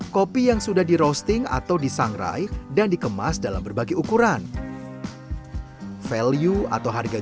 kopi yang sudah di roasting atau disangrai dan dikemas dalam berbagai ukuran value atau harga